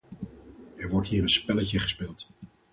Er wordt hier een spelletje gespeeld.